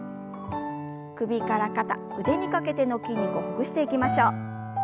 首から肩腕にかけての筋肉をほぐしていきましょう。